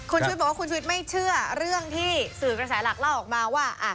คุณชุวิตบอกว่าคุณชุวิตไม่เชื่อเรื่องที่สื่อกระแสหลักเล่าออกมาว่า